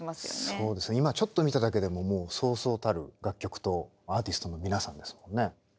そうですね今ちょっと見ただけでももうそうそうたる楽曲とアーティストの皆さんですもんね。